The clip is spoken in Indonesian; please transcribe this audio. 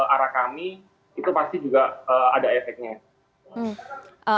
arah kami itu pasti juga ada efeknya